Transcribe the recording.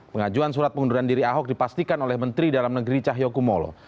pengajuan surat pengunduran diri ahok dipastikan oleh menteri dalam negeri cahyokumolo